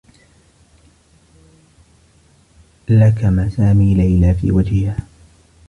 لكم سامي ليلى في وجهها.